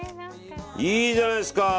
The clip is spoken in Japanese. いいじゃないですか！